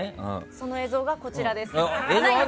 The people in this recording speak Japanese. その映像がこちらです。